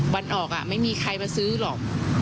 วันออกไม่มีใครมาซื้อหรอก